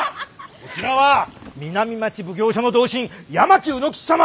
こちらは南町奉行所の同心八巻卯之吉様！